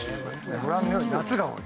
ご覧のように夏が多い。